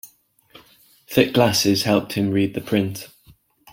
Thick glasses helped him read the print.